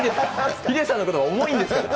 ヒデさんのことば、重いんですから。